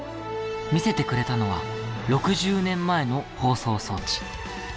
見せてくれたのは６０年前の放送装置。